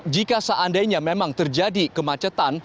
jika seandainya memang terjadi kemacetan